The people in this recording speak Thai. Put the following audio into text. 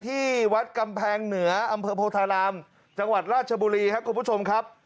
ที่วัดกำแพงเหนืออำเภอโพธารามจังหวัดราชบุรีครับคุณผู้ชมครับ